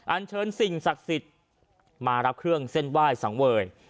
อันเชิญสิ่งศักดิ์สิทธิ์มารับเครื่องเส้นไหว้สังเวย